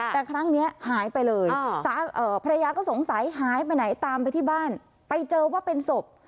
แต่ครั้งนี้หายไปเลยภรรยาก็สงสัยหายไปไหนตามไปที่บ้านไปเจอว่าเป็นศพ